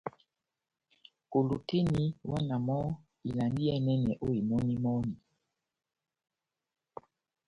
Kolo tɛ́h eni, iwɛ na mɔ́ ivalandi iyɛ́nɛ ó imɔni-imɔni.